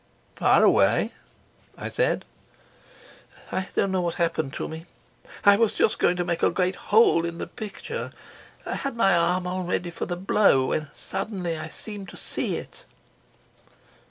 "Fire away," I said. "I don't know what happened to me. I was just going to make a great hole in the picture, I had my arm all ready for the blow, when suddenly I seemed to see it."